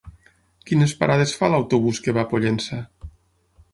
Quines parades fa l'autobús que va a Pollença?